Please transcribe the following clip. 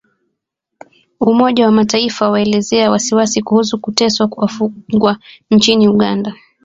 Umoja wa mataifa waelezea wasiwasi kuhusu kuteswa wafungwa nchini Uganda